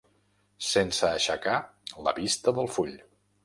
Sense aixecar la vista del full.